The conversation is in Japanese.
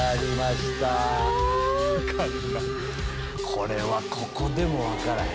これはここでも分からへん。